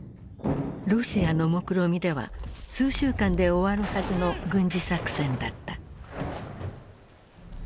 ロシアのもくろみでは数週間で終わるはずの軍事作戦だった。